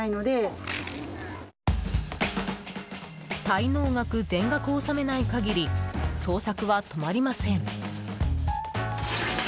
滞納額全額を納めない限り捜索は止まりません。